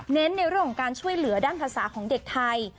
ในเรื่องของการช่วยเหลือด้านภาษาของเด็กไทย